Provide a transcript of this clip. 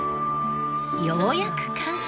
ようやく完成！